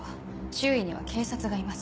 周囲には警察がいます。